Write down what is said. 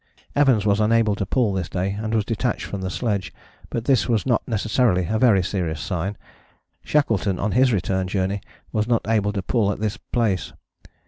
Evans was unable to pull this day, and was detached from the sledge, but this was not necessarily a very serious sign: Shackleton on his return journey was not able to pull at this place.